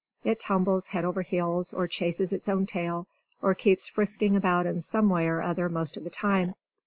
It tumbles head over heels, or chases its own tail, or keeps frisking about in some way or other most of the time.